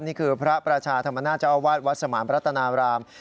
นี่คือพระประชาธรรมนาเจ้าอาวาสวัดสมานรัตนาราม